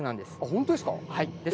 本当ですか？